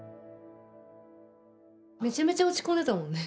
めちゃめちゃ落ち込んでたもんね。